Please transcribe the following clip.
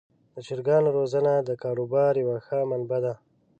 د چرګانو روزنه د کاروبار یوه ښه منبع ده.